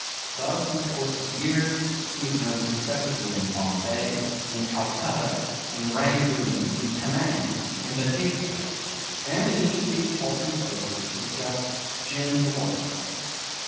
Thus in the course of years he was known successively in Bombay, in Calcutta, in Rangoon, in Penang, in Batavia and in each of these halting places was just Jim the water clerk.